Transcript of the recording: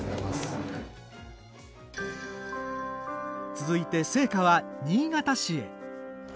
続いて、聖火は新潟市へ。